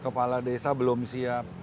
kepala desa belum siap